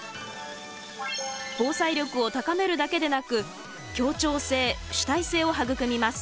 防災力を高めるだけでなく協調性主体性を育みます。